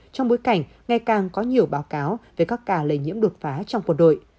trong bối cảnh ngày càng có nhiều báo cáo về các ca lây nhiễm đột phá trong quân đội